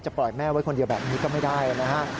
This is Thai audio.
ปล่อยแม่ไว้คนเดียวแบบนี้ก็ไม่ได้นะฮะ